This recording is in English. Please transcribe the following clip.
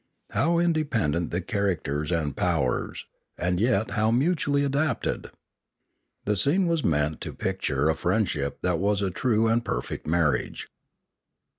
How independent the characters and powers, and yet how Inspiration 423 mutually adapted ! The scene was meant to picture a friendship that was a true and perfect marriage.